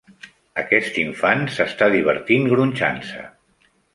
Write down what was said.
Aquest infant s'està divertint gronxant-se.